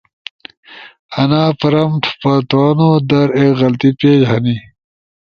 انا پرمپٹ پھتونودر ایک غلطی پیش ہنی